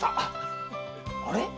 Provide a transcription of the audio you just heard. あれ？